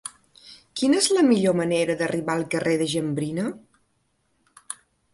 Quina és la millor manera d'arribar al carrer de Jambrina?